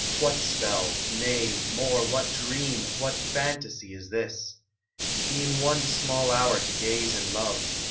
What spell, Nay, more, what dream, what fantasy is this? E en one small hour to gaze and love.